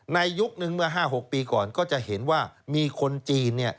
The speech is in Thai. ในยุคนึงเมื่อห้าหกปีก่อนก็จะเห็นว่ามีคนจีนเนี้ย